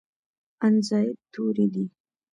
ان زاید توري دي.